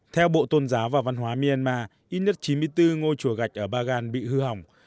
theo bộ tôn giáo và văn hóa myanmar ít nhất chín mươi bốn ngôi chùa gạch ở bagan bị hư hỏng